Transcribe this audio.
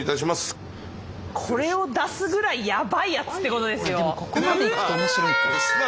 これを出すぐらいやばいやつってことですよ。